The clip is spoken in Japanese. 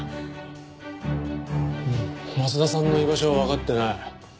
松田さんの居場所はわかってない。